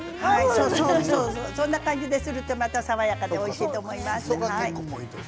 そんな感じでするとまた爽やかでおいしいですよ。